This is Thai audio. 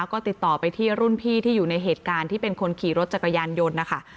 ก็ติดต่อไปที่รุ่นพี่ที่อยู่ในเหตุการณ์ที่เป็นคนขี่รถจักรยานยนต์นะคะ